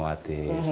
asan sendiri pak asan